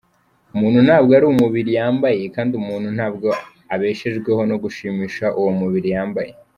Umuntu ntabwo ari umubiri yambaye, kandi muntu ntabwo abeshejweho no gushimisha uwo mubiri yambaye.